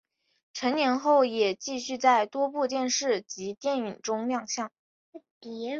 成年后也继续在多部电视及电影中亮相。